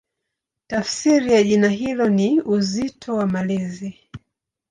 Tafsiri ya jina hilo ni "Uzito wa Malezi".